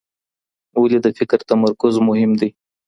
ولي د فکر تمرکز مهم دی؟